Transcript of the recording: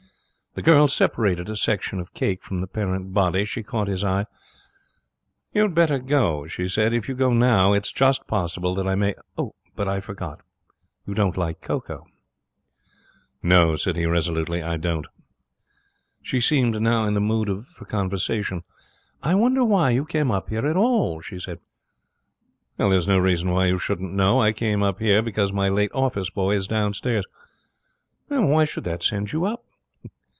The girl separated a section of cake from the parent body. She caught his eye. 'You had better go,' she said. 'If you go now it's just possible that I may but I forgot, you don't like cocoa.' 'No,' said he, resolutely, 'I don't.' She seemed now in the mood for conversation. 'I wonder why you came up here at all,' she said. 'There's no reason why you shouldn't know. I came up here because my late office boy is downstairs.' 'Why should that send you up?'